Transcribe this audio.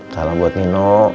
salam buat nino